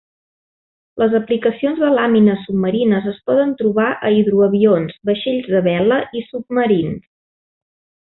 Les aplicacions de làmines submarines es poden trobar en hidroavions, vaixells de vela i submarins.